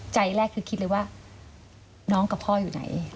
ใจแรกคือคิดเลยว่าน้องกับพ่ออยู่ไหน